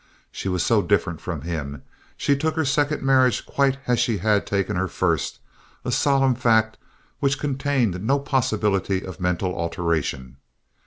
She was so different from him! She took her second marriage quite as she had taken her first—a solemn fact which contained no possibility of mental alteration.